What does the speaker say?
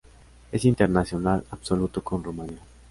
Es internacional absoluto con Rumania.